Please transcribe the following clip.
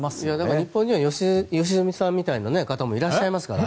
日本人は良純さんみたいな方もいらっしゃいますから。